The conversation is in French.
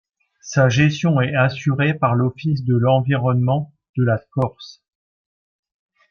Sa gestion est assurée par l’Office de l’Environnement de la Corse.